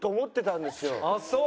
あっそう。